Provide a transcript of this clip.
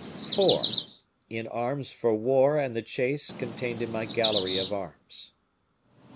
"4. In arms for war and the chase contained in my gallery of arms.